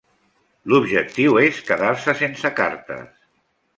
L'objectiu és quedar-se sense cartes.